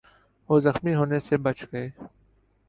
وہ زخمی ہونے سے بچ گئے